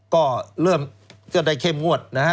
ก็เริ่มได้เข้มงวดนะฮะ